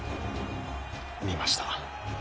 見ました。